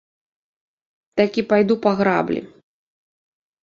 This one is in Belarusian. Такі пайду па граблі.